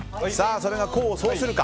それを功を奏するか。